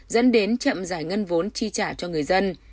dẫn đến chậm giải ngân vốn chi trả cho người dân